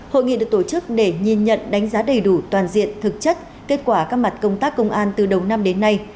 hội nghị được tổ chức để nhìn nhận đánh giá đầy đủ toàn diện thực chất kết quả các mặt công tác công an từ đầu năm đến nay